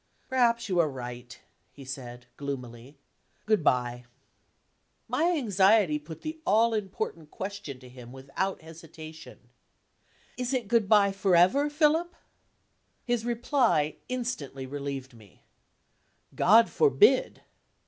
"Perhaps you are right," he said, gloomily. "Good by." My anxiety put the all important question to him without hesitation. "Is it good by forever, Philip?" His reply instantly relieved me: "God forbid!"